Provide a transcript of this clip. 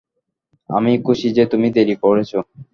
আমি খুশি যে তুমি দেরী করেছো।